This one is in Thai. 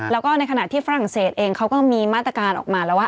แล้วก็ในขณะที่ฝรั่งเศสเองเขาก็มีมาตรการออกมาแล้วว่า